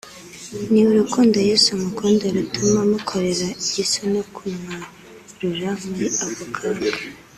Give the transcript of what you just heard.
ni urukundo Yesu amukunda rutuma amukorera igisa no kumwarura muri ako kaga